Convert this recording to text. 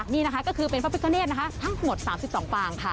นี่นะคะก็คือเป็นพระพิคเนศนะคะทั้งหมดสามสิบสองปางค่ะ